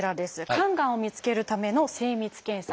肝がんを見つけるための精密検査。